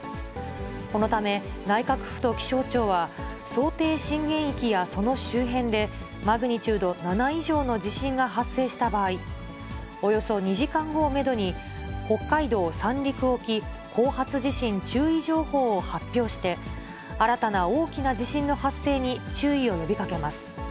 このため、内閣府と気象庁は、想定震源域やその周辺で、マグニチュード７以上の地震が発生した場合、およそ２時間後をメドに、北海道・三陸沖後発地震注意情報を発表して、新たな大きな地震の発生に注意を呼びかけます。